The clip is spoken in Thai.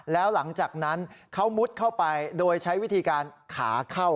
แล้วหลังจากนั้นเขามุดเข้าไปโดยใช้วิธีการขาเข้า